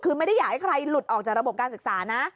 คือไม่ได้อยากให้ใครหลุดออกจากระบบการศึกษานะ